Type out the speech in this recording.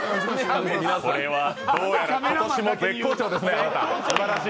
これはどうやら今年も絶好調ですね、すばらしい！